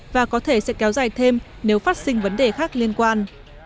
và có thể sẽ kéo dài thêm nếu phát sinh vấn đề khác liên quan